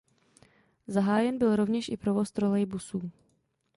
Zahájen byl rovněž i provoz trolejbusů.